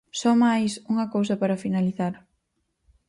Só máis unha cousa para finalizar.